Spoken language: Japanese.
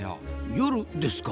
夜ですか？